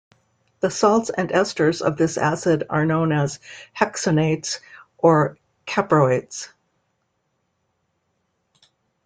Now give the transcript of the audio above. The salts and esters of this acid are known as hexanoates or caproates.